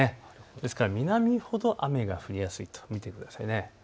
ですから南ほど雨が降りやすいと見てください。